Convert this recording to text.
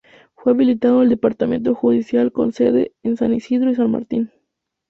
Fue habilitado el Departamento Judicial con sede en San Isidro y San Martín.